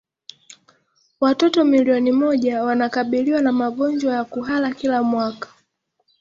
Watoto milioni moja wanakabiliwa na magonjwa ya kuhara kila mwaka